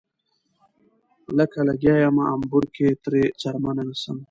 لکه لګيا يمه امبور کښې ترې څرمنه نيسم